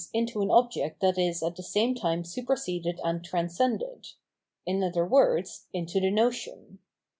into an object that is at the same time superseded and transcended — ^in other words, into the notion.